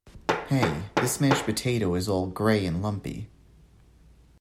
Hey! This mashed potato is all grey and lumpy!